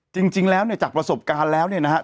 จริงแล้วเนี่ยจากประสบการณ์แล้วเนี่ยนะครับ